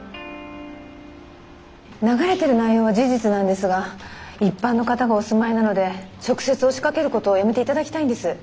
流れてる内容は事実なんですが一般の方がお住まいなので直接押しかけることはやめて頂きたいんです。